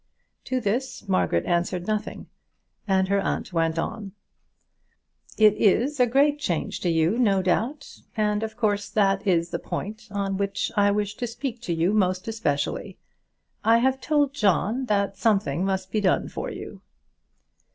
To this Margaret answered nothing, and her aunt went on. "It is a great change to you, no doubt; and, of course, that is the point on which I wish to speak to you most especially. I have told John that something must be done for you."